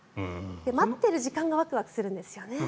待っている時間がワクワクするんですよね。